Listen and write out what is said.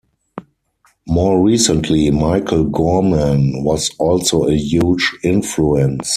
More recently Michael Gorman was also a huge influence.